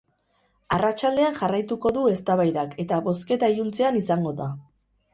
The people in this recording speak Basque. Arratsaldean jarraituko du eztabaidak eta bozketa iluntzean izango da.